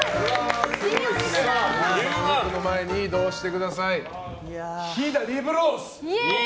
お肉の前に移動してください。